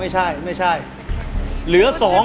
เหลือ๒